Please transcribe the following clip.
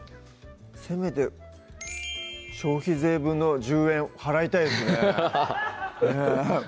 せめて消費税分の１０円払いたいですね